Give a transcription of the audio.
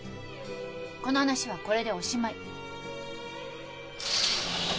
この話はこれでおしまい。